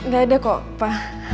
gak ada kok pa